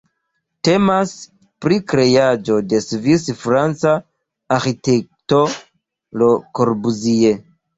Temas pri kreaĵo de svis-franca arĥitekto Le Corbusier.